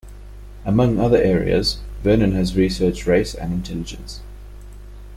Among other areas, Vernon has researched race and intelligence.